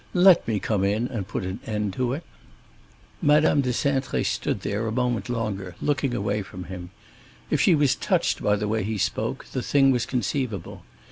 Let me come in and put an end to it." Madame de Cintré stood there a moment longer, looking away from him. If she was touched by the way he spoke, the thing was conceivable.